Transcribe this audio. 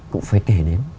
cũng phải kể đến